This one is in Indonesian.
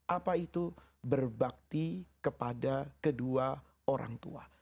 apa itu berbakti kepada kedua orang tua